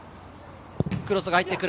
クロスが入ってくる。